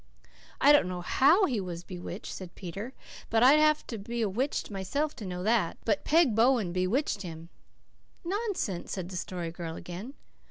"I don't know HOW he was bewitched," said Peter. "I'd have to be a witch myself to know that. But Peg Bowen bewitched him." "Nonsense!" said the Story Girl again.